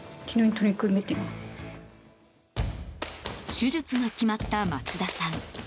手術が決まった松田さん。